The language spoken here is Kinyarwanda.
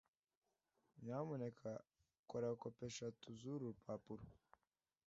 Nyamuneka kora kopi eshatu zuru rupapuro.